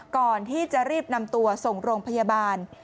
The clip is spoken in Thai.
ก่อนที่จะรีบนำตัวส่งโรงพยาบาล